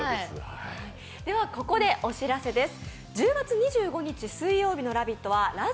ここでお知らせです。